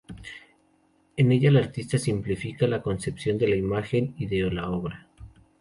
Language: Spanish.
En ella la artista simplifica la concepción de la imagen y de la obra.